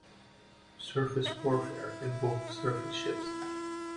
Surface warfare involves surface ships.